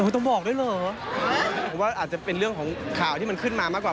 ผมว่าอาจจะเป็นเรื่องของข่าวที่มันขึ้นมามากกว่า